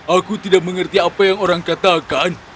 aku tidak mengerti apa yang orang katakan